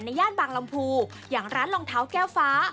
ย่านบางลำพูอย่างร้านรองเท้าแก้วฟ้า